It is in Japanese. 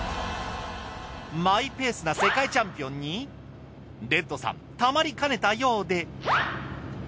マイペースな世界チャンピオンにレッドさんたまりかねたようで。